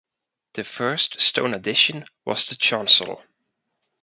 The first stone addition was the chancel.